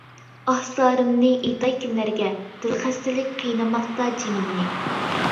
ئاھ زارىمنى ئېيتاي كىملەرگە، دىلخەستىلىك قىينىماقتا جېنىمنى.